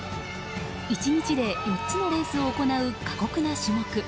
１日で４つのレースを行う過酷な種目。